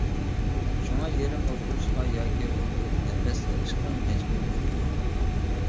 شۇڭا يېرىم ئولتۇرۇشقا ياكى ئولتۇرۇپ نەپەس ئېلىشقا مەجبۇر بولىدۇ.